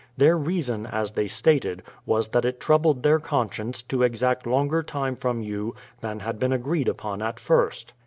Their reason, as they stated, was that it troubled their conscience to exact longer time from you than had been agreed upon at first.